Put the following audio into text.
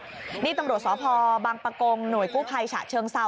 ตำรวจสพลบางปกงหนกู้ภัยฉะเชิงเศรา